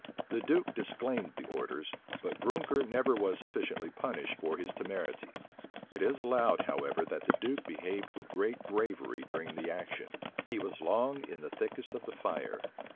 The duke disclaimed the orders; but Brounker never was sufficiently punished for his temerity.[*] It is allowed, however, that the duke behaved with great bravery during the action. He was long in the thickest of the fire.